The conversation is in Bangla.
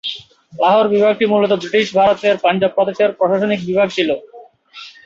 লাহোর বিভাগটি মূলত ব্রিটিশ ভারতের পাঞ্জাব প্রদেশের প্রশাসনিক বিভাগ ছিল।